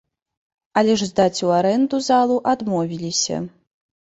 Але ж здаць ў арэнду залу адмовіліся.